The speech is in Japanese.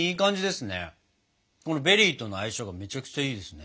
このベリーとの相性がめちゃくちゃいいですね。